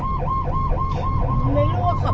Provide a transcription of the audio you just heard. ผู้ชีพเราบอกให้สุจรรย์ว่า๒